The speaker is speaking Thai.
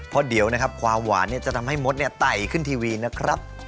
เพราะเดี๋ยวนะครับความหวานจะทำให้มดไต่ขึ้นทีวีนะครับ